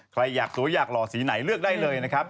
ใครอยากสวยอยากหล่อสีไหนเลือกได้เลยนะครับ